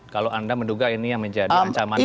kalau anda menduga ini yang menjadi ancaman